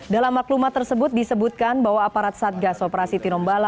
dalam maklumat tersebut disebutkan bahwa aparat satgas operasi tinombala